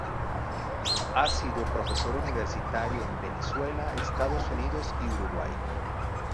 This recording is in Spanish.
Ha sido profesor universitario en Venezuela, Estados Unidos y Uruguay.